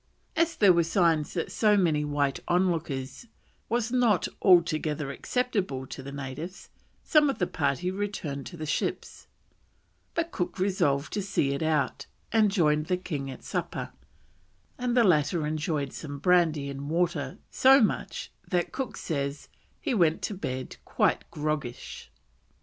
As there were signs that so many white onlookers was not altogether acceptable to the natives, some of the party returned to the ships; but Cook resolved to see it out, and joined the king at supper, and the latter enjoyed some brandy and water so much that Cook says "he went to bed quite grogish.